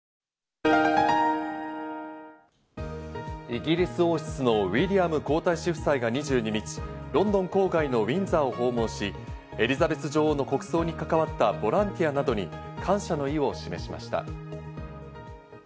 イギリス王室のウィリアム皇太子夫妻が２２日、ロンドン郊外のウィンザーを訪問し、エリザベス女王の国葬に関わったボランティアなどに感謝の意を示しました。